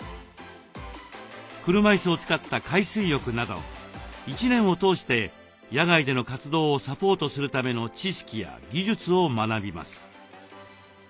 車いすを使った海水浴など一年を通して野外での活動をサポートするための知識や技術を学びます。